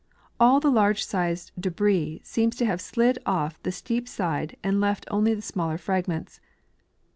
All the large sized debris seems to have slid off" the steep side and left only the smaller fragments.